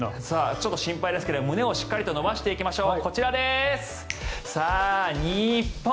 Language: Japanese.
ちょっと心配ですが胸をしっかり伸ばしていきましょう。